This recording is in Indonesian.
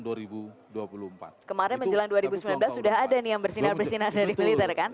kemarin menjelang dua ribu sembilan belas sudah ada nih yang bersinar bersinar dari militer kan